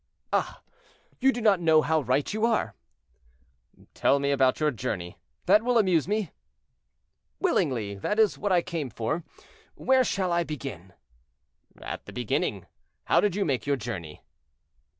"Ah! you do not know how right you are." "Tell me about your journey! that will amuse me." "Willingly; that is what I came for. Where shall I begin?" "At the beginning. How did you make your journey?"